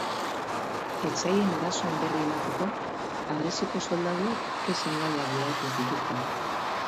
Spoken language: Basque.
Etsaien erasoen berri emateko, harresiko soldaduek ke seinaleak bidaltzen zituzten.